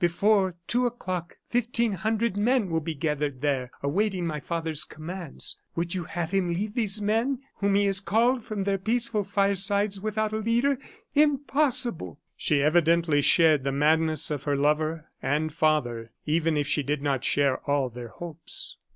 Before two o'clock fifteen hundred men will be gathered there awaiting my father's commands. Would you have him leave these men, whom he has called from their peaceful firesides, without a leader? Impossible!" She evidently shared the madness of her lover and father, even if she did not share all their hopes.